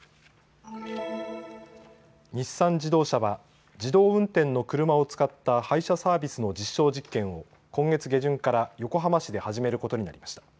日産自動車は自動運転の車を使った配車サービスの実証実験を今月下旬から横浜市で始めることになりました。